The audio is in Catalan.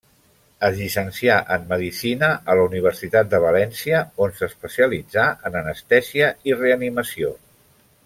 Es llicencià en medicina a la Universitat de València, on s'especialitzà en anestèsia i reanimació.